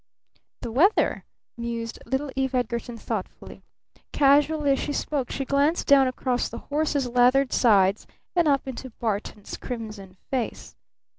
"The weather?" mused little Eve Edgarton thoughtfully. Casually, as she spoke, she glanced down across the horses' lathered sides and up into Barton's crimson face.